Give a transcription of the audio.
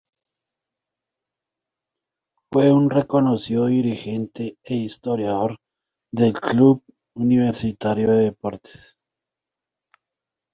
Fue un reconocido dirigente e historiador del club Universitario de Deportes.